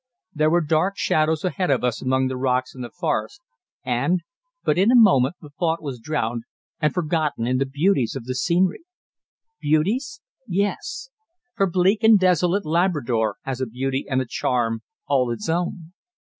There were dark shadows ahead of us among the rocks and the forests, and But in a moment the thought was drowned and forgotten in the beauties of the scenery. Beauties? yes; for bleak and desolate Labrador has a beauty and a charm all its own.